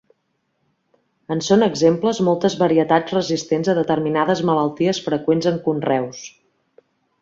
En són exemples moltes varietats resistents a determinades malalties freqüents en conreus.